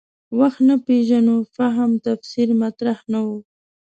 وخت نه پېژنو فهم تفسیر مطرح نه و.